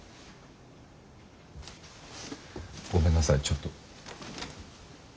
ごめんなさいちょっと。